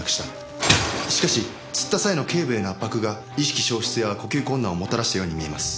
しかし吊った際の頸部への圧迫が意識消失や呼吸困難をもたらしたように見えます。